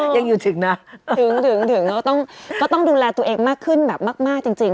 ยังอยู่ถึงนะถึงก็ต้องดูแลตัวเองมากขึ้นแบบมากจริง